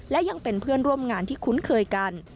และยังเป็นเพื่อนร่วมงานที่คุ้นเคยกัน